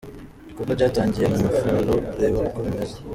Igikorwa cyatangiye, Mu maforo reba uko bimeze.